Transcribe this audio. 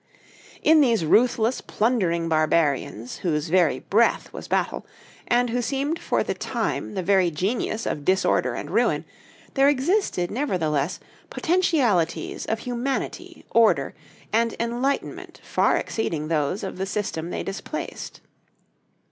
In these ruthless, plundering barbarians, whose very breath was battle, and who seemed for the time the very genius of disorder and ruin, there existed, nevertheless, potentialities of humanity, order, and enlightenment far exceeding those of the system they displaced.